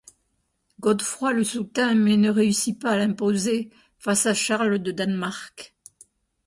Godefroy le soutint, mais ne réussit pas à l'imposer face à Charles de Danemark.